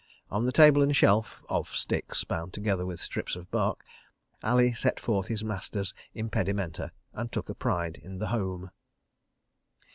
... On the table and shelf—of sticks bound together with strips of bark—Ali set forth his master's impedimenta, and took a pride in the Home.